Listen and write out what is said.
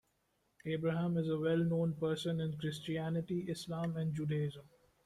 Abraham is a well known person in Christianity, Islam and Judaism.